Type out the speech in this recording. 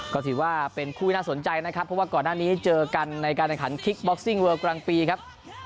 ก็ถือว่าเป็นคู่ที่น่าสนใจนะครับเพราะว่าก่อนหน้านี้เจอกันในการแข่งขันคิกบ็อกซิ่งเวิลกลางปีครับ